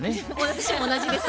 私も同じです。